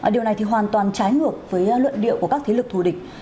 điều này thì hoàn toàn trái ngược với luận điệu của các thế lực thù địch